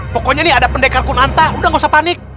pokoknya nih ada pendekar kunanta udah gak usah panik